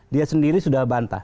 dia sendiri sudah bantah